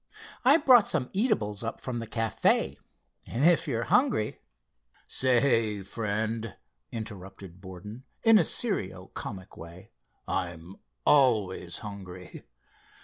I brought some eatables up from the café, and if you're hungry——" "Say, friend," interrupted Borden in a serio comic way—"I'm always hungry!"